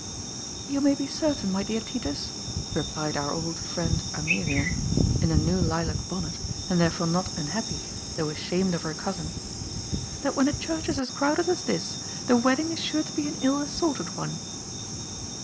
*' You may be certain, my dear Titus," replied our old friend Amelia (in a new lilac bonnet, and therefore not un happy, though ashamed of her cousin), '' that when a church is as crowded as this, the wedding is sure to be an ill assorted one.'